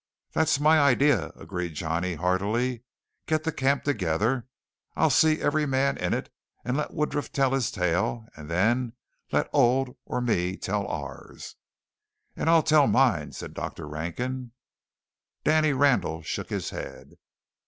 "That's my idea," agreed Johnny heartily. "Get the camp together; I'll see every man in it and let Woodruff tell his tale, and then let Old or me tell ours." "And I'll tell mine," said Dr. Rankin. Danny Randall shook his head.